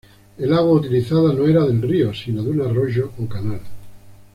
El agua utilizada no era del río sino de un arroyo o canal.